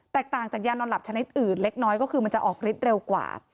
ต่างจากยานอนหลับชนิดอื่นเล็กน้อยก็คือมันจะออกฤทธิเร็วกว่า